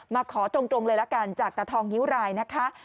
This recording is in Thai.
มาขอตรงเลยละกันจากตาทองนิ้วรายนะคะ